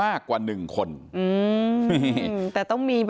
อันนี้แม่งอียางเนี่ย